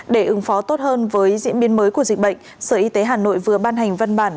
để ứng phó tốt hơn với diễn biến mới của dịch bệnh sở y tế hà nội vừa ban hành văn bản